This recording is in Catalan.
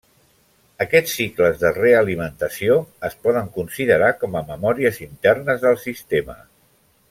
Aquests cicles de realimentació es poden considerar com a memòries internes del sistema.